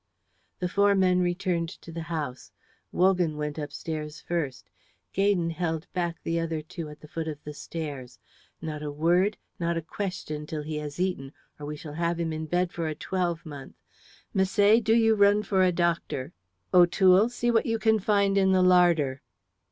The four men returned to the house. Wogan went upstairs first. Gaydon held back the other two at the foot of the stairs. "Not a word, not a question, till he has eaten, or we shall have him in bed for a twelvemonth. Misset, do you run for a doctor. O'Toole, see what you can find in the larder."